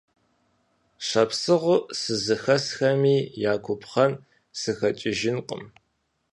Шапсыгъыу сызыхэсми я губгъэн сыхэкӏыжынкъым.